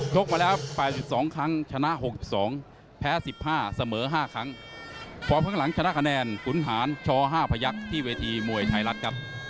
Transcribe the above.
ฟ้าฝรั่งข้างหลังชนะคะแนนขุนหาญช๕พยักษ์ที่เวทีมวยชายรัฐครับ